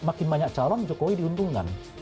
makin banyak calon jokowi diuntungkan